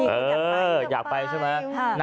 อีกกันอะไรดำน้ำไป